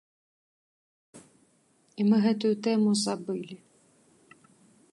І мы гэтую тэму забылі.